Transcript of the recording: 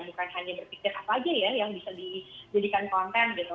bukan hanya berpikir apa aja ya yang bisa dijadikan konten gitu